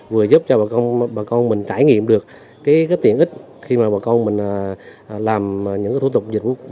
vừa giúp cho bà con mình trải nghiệm được cái tiện ích khi mà bà con mình làm những thủ tục